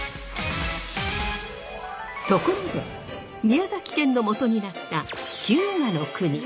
ところで宮崎県のもとになった日向国。